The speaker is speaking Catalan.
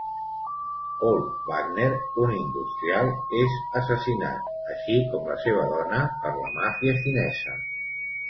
Paul Wagner, un industrial, és assassinat, així com la seva dona per la màfia xinesa.